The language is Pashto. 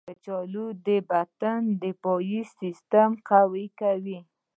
کچالو د بدن دفاعي سیستم قوي کوي.